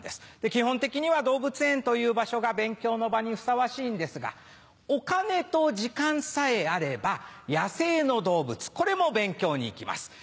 基本的には動物園という場所が勉強の場にふさわしいんですがお金と時間さえあれば野生の動物これも勉強に行きます。